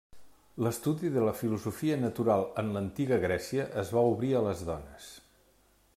L'estudi de la filosofia natural en l'antiga Grècia es va obrir a les dones.